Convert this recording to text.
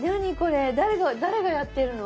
誰が誰がやってるの？